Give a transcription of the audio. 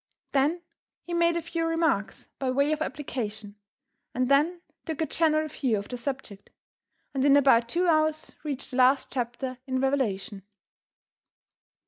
Then he made a few remarks by way of application; and then took a general view of the subject, and in about two hours reached the last chapter in Revelation.